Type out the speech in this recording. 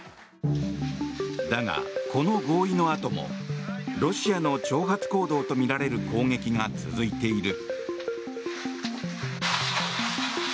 だが、この合意のあともロシアの挑発行動とみられる攻撃が続いている。